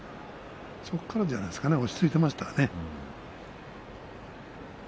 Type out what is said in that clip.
そこからじゃないですか落ち着いていましたね。